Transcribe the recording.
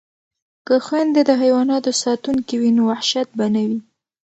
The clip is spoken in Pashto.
که خویندې د حیواناتو ساتونکې وي نو وحشت به نه وي.